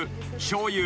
しょうゆ。